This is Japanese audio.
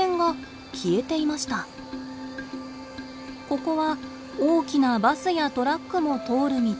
ここは大きなバスやトラックも通る道。